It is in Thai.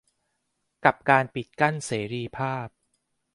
กับการปิดกั้นเสรีภาพ